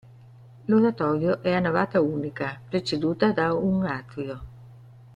L'oratorio è a navata unica preceduta da un atrio.